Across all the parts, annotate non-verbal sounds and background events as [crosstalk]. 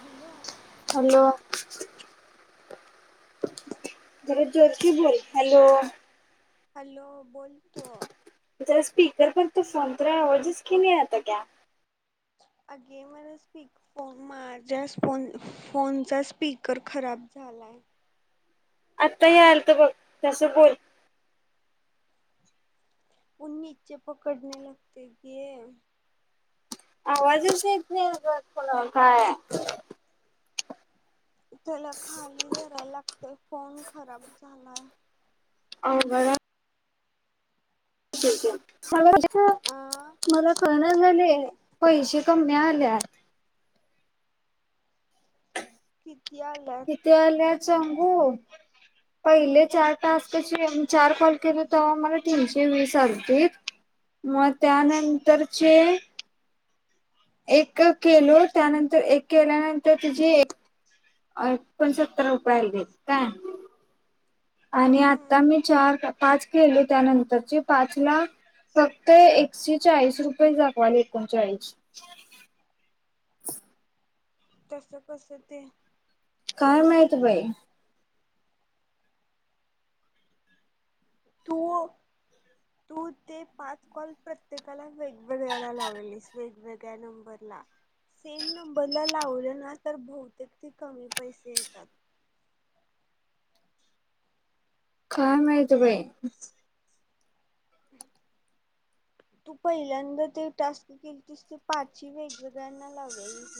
Hello hello जरा जोर कि बोल हॅलो हॅलो बोल तो जरा स्पीकर पर तो फोन कर तेरा आवाज कि आता नही क्या [inaudible] अगे माझ स्पी फोन माझ्या फोन फोनचा स्पीकर खराब झाला का [inaudible] आत्ता हे आलत बघ तसं बोल फोन निचेे पकडणे लगतय गे आवाज श काय त्याला खाली धरायला लागतय फोन खराब झालाय आवघड हाय ओक ओक सगळ अ [unintelligible] मला कळना झालय पैसे कमी आल्यात किती आल्यात चांगू पहिले चार टास्कचे चार कॉल केले तेव्हा मला तीनशे वीस आलतील मग त्यानंतरचे एक केलो त्यानंतर एक केल्यानंतर तुझी कोण सत्तर रुपये आले काय आणि आता हम्म मी चार पाच केले त्यानंतरची पाच ला फक्त एकशे चाळीस रुपये दाखवाल एकोणचाळीस [inaudible] तस कस ते काय माहित बाई तू तू ते पाच कॉल प्रत्येकाला वेगवेगळ्या लावलीस वेगवेगळ्या नंबर ला सेम नंबरला लावलं ना तर बहूतेक ते कमी पैसे येतात काय माहित बाई तू पहिल्यांदा ते टास्क केली तस ते पाची वेग वेगवेगळ्यांना लाव्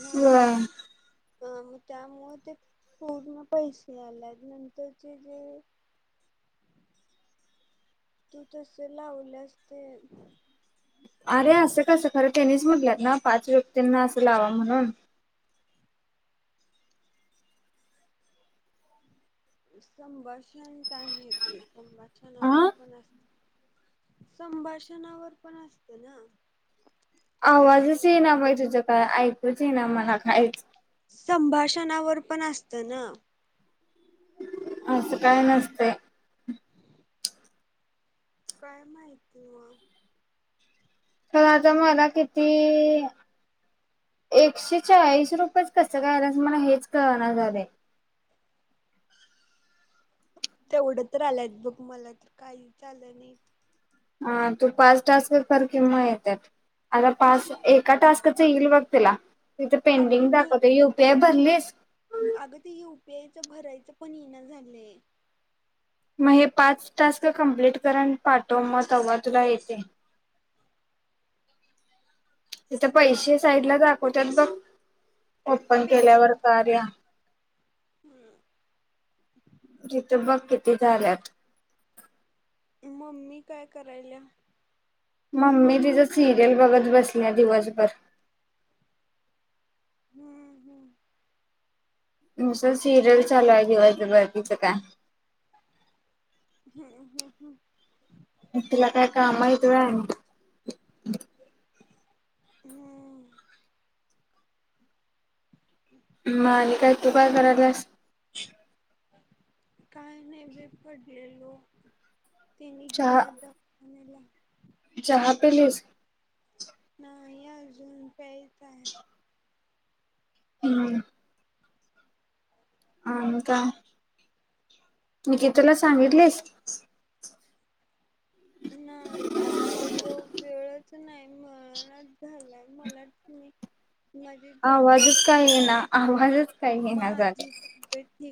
ना अ मग त्यामुळे ते पूर्ण पैसे आलेत नंतरचे जे तू तस लावलंस ते अरे असं कसं खरं तेनिच म्हटल्यात ना पाच व्यक्तींना असं लावा म्हणून संभाषण काय माहिती संभाषणावर अ पण असतय संभाषणावर पण असत ना आवाजच ये ना बाई तुझं काय ऐकूच ये ना मला कायचं संभाषणावर पण असत ना असं काय नसतय काय माहिती म तर आता मला किती एकशे चाळीस रुपयेच कस काय आल्यात मला हेच कळणा झालंय तेवढं तर आलंयत बघ मला तर काहीच आलं नाही हा तू पाच टास्क कर की मग येतात आता पाच एका टास्कच येईल बघ तुला तिथे अगे पेंडिंग नाही दाखवते युपीआय भरलीस यूपीआयचं भरायचं पण येना झालय मग हे पाच टास्क कम्प्लीट कर आणि पाठव मग तेव्हा तुला येते तिथ पैसे साईडला दाखवत बघ ओपन केल्यावर कार या हम्म तिथं बघ किती झाल्यात मम्मी काय करायल्या मम्मी तिचं सिरियल बघत बसलं दिवसभर हम्म हम्म स सिरियल चालवाय केवा बाकीचं काय हा हा ह तिला काय काम यत हम्म मालिकाय तू काय करालास काय नाही बे पडलेलो त्यांने चहा गेले डॉक्टरला चहा पेलज नाही अजून प्यायच आहे. [inaudible] हम् ह इका न की तुला सांगितलेस नाही सांगितलं प वेळच नाही मणच झाला मला त मी माझी तब्येत आवाजच काय ठीक ये ना आवाजच काय आहे ना झाला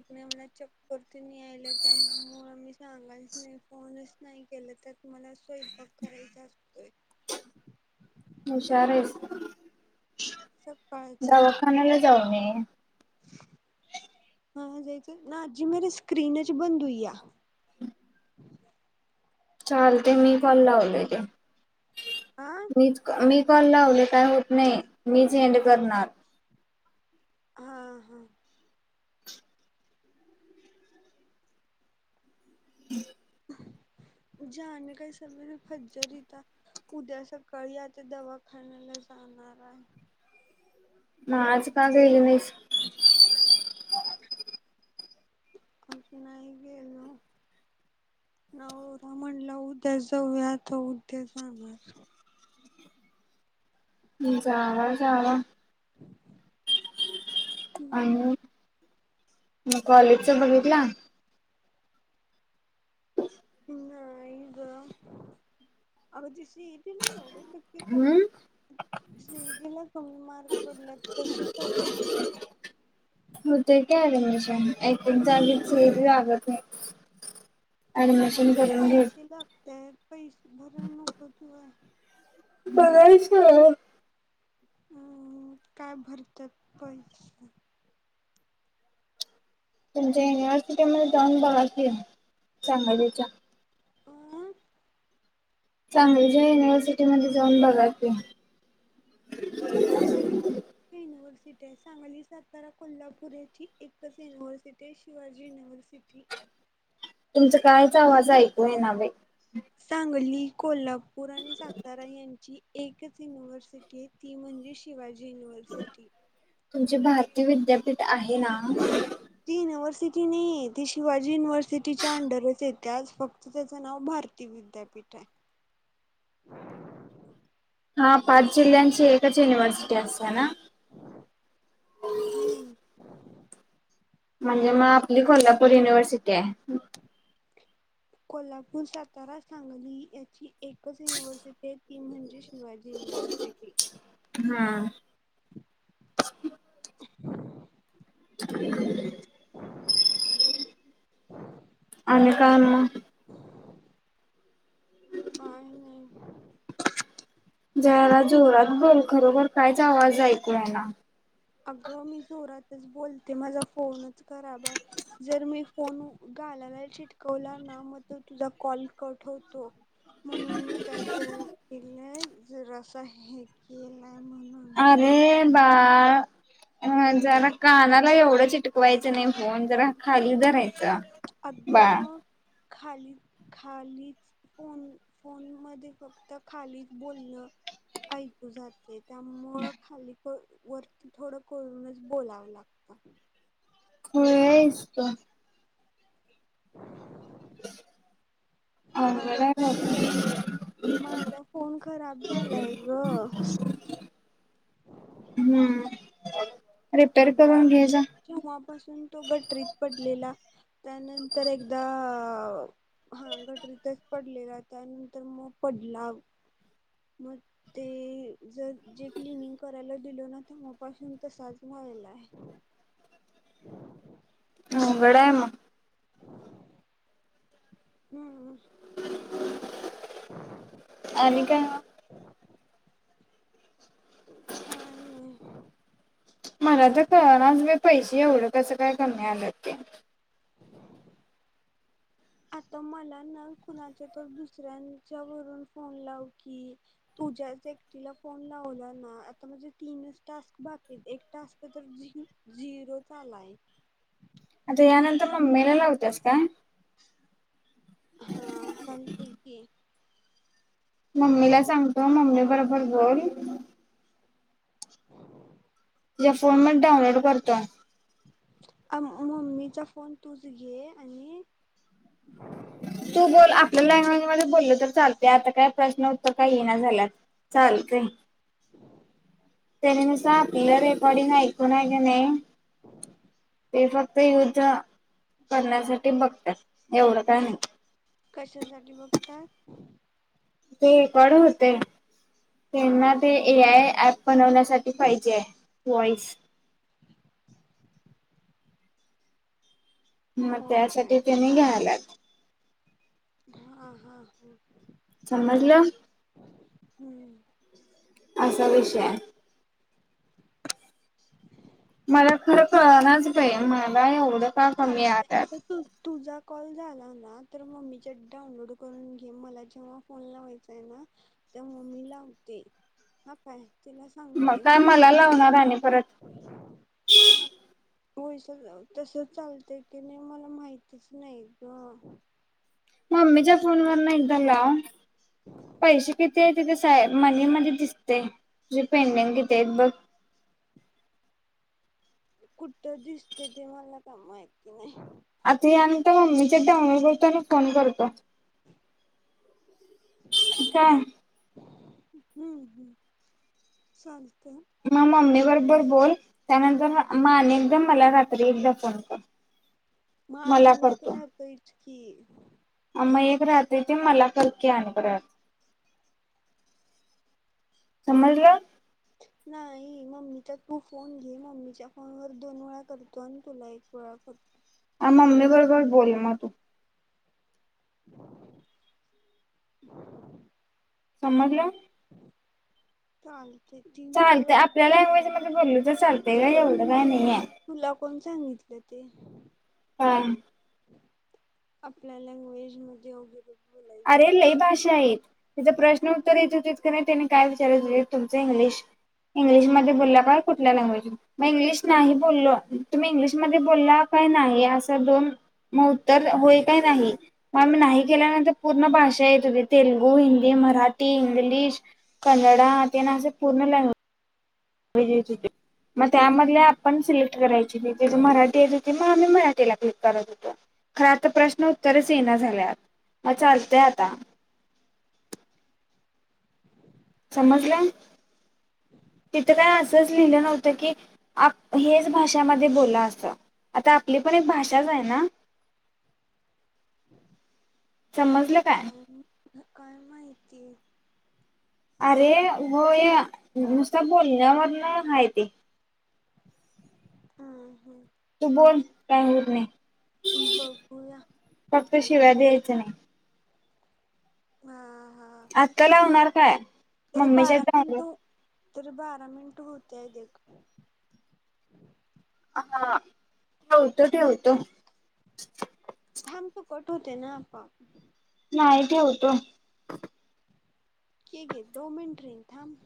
कणी मला चक्करती नाही आहिलं त्यामुळं मी सांगालच नाही फोनच नाही केला तरत तुम्हाला स्वयंपाक करायचा असतोय दावाखानला जाऊ मी हाज तर ना अजी मेर स्क्रीन च बंदुई आ हम् चाल ते मी पण लावलं ते हा मी मी कॉल लावले काय होत नाही मी झेंड करणार हा हा हम् जाण काही सळे फज्जरही त उद्या सकाळी आता दवाखान्याला जाणार आहे मग आज का [unintelligible] कस नाही गलो न रा म्हणला उद्या जाऊयाता उद्या जाणार हम्म चला चला आणि मग कॉलेजच बघितलं ह एकग अग ती सीईटला मोडीि हम्म सडीला कमी मारग पडल्यात कस कस होत काय रमिशन ऐ ली फेरी लागत नाही ऍडमिशन तिथ करून घे. पैसे लागतय पैसे भरय नको तू आहे बघायचं हम् काय भरतात प तुमच्या युनिव्हर्सिटी मध्ये जाऊन बघ सांगलीच्या ह चांगली ज युनिव्हर्सिटी मध्ये जाऊन बघा त चांगली युनिव्हर्सिटी आहे सांगली सातारा कोल्हापूर याची एकच युिवर्सिटी शिवाजी युनिव्हर् त सिट तुमचा कायच आवाज ऐकू आहे ना बाई सांगली कोल्हापूर आणि सातारा यां एकच युनिव्हर्सिटी आहे ती म्हणजे शिवाजी युनिव्हर्सिटी तुमचे भारती विद्यापीठ आहे ना ती युनिव्हर्सिटी नाही ती शिवाजी युनिव्हर्सिटीच्या अंडरच येते आज फक्त त्याचं नाव भारती विद्यापीठ आहे हा पाच जिल्ह्यांची एकच युनिव्हर्सिटी असते ना हम्म म्हणजे मग आपली कोल्हापूर युनिव्हर्सिटी आहे [inaudible] कोल्हापूर सातारा सांगली याची एकच युनिवार्सिटी ती म्हणजे माजी न प क हा बरोबर [inaudible] [inaudible] आणि काय मग काय नाही जरा जोरात बोल खरोबर कायच आवाज ऐकू ये ना अगं मी जोरातच बोलते माझा फोनच खराब आहे जर मी फोन घालाला चिटकवला ना मग त तुझा कॉल कठ होतो म्हणून मी काय कर केलंय जरा असं हे के ह ह जरा कानाला एवढं चिटकवायचं नाही फोन जरा खाली धरायचं अग खाली खालीच फोन फोन मध्ये फक्त खालीच बोलणं ऐकू जात त्यामुळ खाली प वरती थोडं करूनच बोलावं लागतं खुली हायस तू [inaudible] माझा ह फोन खरा [unintelligible] माझा फोन खराब झालाय ग हम्म रिपेअर तो करून घे जा जेवा पासून तो गटरीत पडलेला त्यानंतर एकदा हा गटरीतच पडलेला त्यानंतर मग पडला मग ते जर जे क्लनिंग करायला दिल ना तेवा पासून तसाच हवायलाय हम् अवघड हाय म हम्म आणि काय हा ना मला तर कळना पैसे एवढं कसं काय कमी आलंत ते [inaudible] आता मला ना कुणाच्या तर दुसऱ्यांच्या वून फोन लाव की तुझ्या त्या एकटीला फोन लावला ना आता म्हणजे तीनच टास्क बाकी एक टास्क तर झिरो चालाय आता यानंतर मग ममी ला होतस काय हा चालते क बरबोल हो तुझ्या फोन मध्ये डाऊनलोड करतो आ मम्मीचा फोन तूच घे आणि तू बोल आपल्या लँग्वेज मध्ये बोललं तर चालते आता काय प्रश्न उत्तर काही ये ना झाल्यात. चालतयं तेच्यानुसार आपलं रेकॉर्डिंग ऐकून आहे का नाही ते फक्त युद्ध करण्यासाठी बघतात. एवढं काय नाय कशा झाली बघतात. ते रेकॉर्ड होते. त्यांना ते ए आय ऍप बनवण्यासाठी पाहिजे आहे. वॉइस हा ओके त्यासाठी तेनी घ्यायल्यात. हा हा हा. समजलं. हम्म असा विषय आहे. मला खरं कळणाच बाई मला एवढं का कमी चालते. आल्यात. अग तू तुझा कॉल झाला ना तर मम्मीच्यात डाउनलोड करून घे मला जेव्हा फोन लावायचा आहे ना तेंव्हा मी लावते मग काय तुला मग सांगते काय मी मला लावणार आणि परत होैस तस चालत की नाही मला माहतीच नाही ग. मम्मीच्या फोन वरन एकदा लाव. पैसे किती आहे तिथे सा मनी मध्ये दिसतयं ते पेंडिंग किती आहेत बघ. [inaudible] कुठं दिसत ते मला काय माहिती नाय आता यानंतर मम्मीच्यात डाऊनलोड करतो आणि फोन करतो. काय हम्म हम् चालतंय. मग मम्मी बरोबर बोल त्यानंतर मग अनेकदा मला रात्री एकदा फोन कर. मग मला अजून एक करतो राहतयचं की मग एक राहतंय ते मला कर की आणि परत समजलं. [inaudible] नाही मम्मीचा तू फोन घे मम्मीच्या फोनवर दोन वेळा करतो आणि तुला एक वेळा करतो. आ मम्मी बरोबर बोल मग तू. हम् समजलं चाल चालतयं. आपल्या लँग्वेजमध्ये बोलल तर चालतयं की एवढं काय नाहीेये तुला कोण सांगितलं ते हा आपल्या लँग्वेज मध्ये वगैरे अरे बोलायचं लई भाषा आहेत. तिथ प्रश्न उत्तर येत होती त्यांनी काय विचार तुमच इंग्लिश इंग्लिशमध्ये बोलला का कुठल्या लँग्वेज मग इंग्लिश नाही बोललो तुम्ही इंग्लिशमध्ये बोलला का नाही असं दोन मग उत्तर होय का नाही मग नाही केल्यानंतर पूर्ण भाषा येत होती तेलुगू, हिंदी, मराठी, इंग्लिश, कन्नडा तेन असे पूर्ण [inaudible] [inaudible] मग त्यामध आपण सिलेक्ट करायची हो तिथ मराठी येत होती मग आम्ही मराठीला क्लिक करत होतो. खर तर प्रश्न उत्तरचं येना झाल्यात मग चालतयं आता [inaudible] समजलं. तिथं काय असंच लिहिलं नव्हतं की आप हेच भाषामध्ये बोला असं आता आपली पण एक भाषाच आहे ना हम् समजलं काय काय माहितीय अरे हो या नुसत बोलण्यावर ना आहेय ते हम् हम् तू बोल काय होत नाही बघूया फक्त शिव्या द्याय च नाही हा हा आत्ता लावणार काय मम्मीच्या लावणार तररी बारा मिनिट होतेय देख हा होत ठेवत थांब तू कट होते ना आप नाही ठेवतो के घ दो मिनट रे थम